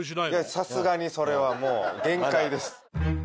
いやさすがにそれはもう限界です。